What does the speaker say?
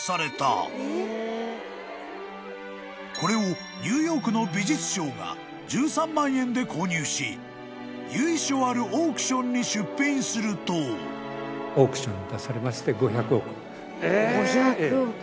［これをニューヨークの美術商が１３万円で購入し由緒あるオークションに出品すると］え！？